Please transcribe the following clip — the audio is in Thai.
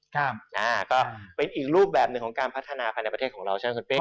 ก็เป็นอีกรูปแบบหนึ่งของการพัฒนาภายในประเทศของเราใช่ไหมคุณปิ๊